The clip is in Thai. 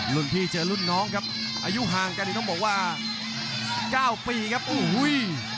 รุ่นพี่เจอรุ่นน้องครับอายุห่างกันนี่ต้องบอกว่า๙ปีครับโอ้โห